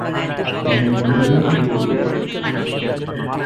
அவனுக்கு ஒன்றுமே புரியவில்லை.